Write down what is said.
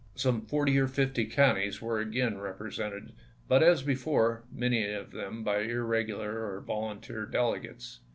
Some forty or fifty counties were again represented, but, as before, many of them by irregular or volun teer delegates.